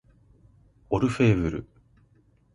オルフェーヴル